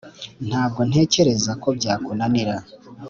ntabwo ntekereza ko byakunanira